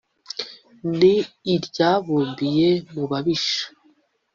Ni iryarubiye mu babisha,